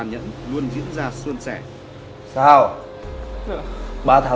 nhanh lên về và đón con